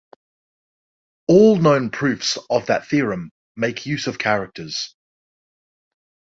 All known proofs of that theorem make use of characters.